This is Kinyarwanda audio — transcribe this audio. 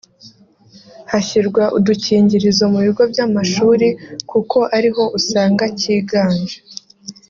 hashyirwa udukingirizo mu bigo by’amashuri kuko ari ho usanga cyiganje